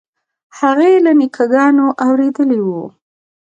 هغې له نیکه ګانو اورېدلي وو.